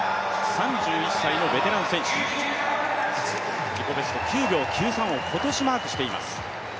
３１歳のベテラン選手、自己ベストをマークしています。